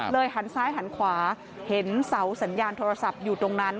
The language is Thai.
หันซ้ายหันขวาเห็นเสาสัญญาณโทรศัพท์อยู่ตรงนั้น